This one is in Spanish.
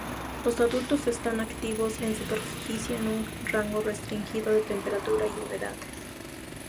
Los adultos están activos en superficie en un rango restringido de temperatura y humedad.